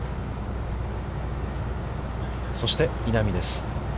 そして稲見です。